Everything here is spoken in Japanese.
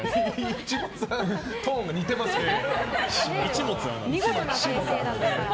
トーンが似てますけどね。